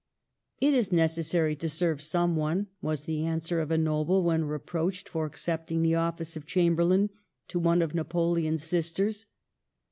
" It is necessary to serve someone," was the answer of a noble when reproached for accepting the office of chamberlain to one of Napoleon's sisters.